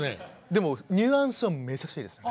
でもニュアンスはめちゃくちゃいいです。